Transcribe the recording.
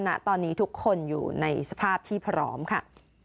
ณตอนนี้ทุกคนอยู่ในสภาพที่พร้อมค่ะ